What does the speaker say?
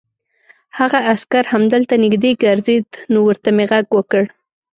هغه عسکر همدلته نږدې ګرځېد، نو ورته مې غږ وکړ.